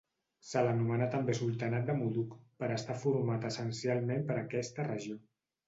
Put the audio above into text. Se l'anomenà també sultanat de Mudug per estar format essencialment per aquesta regió.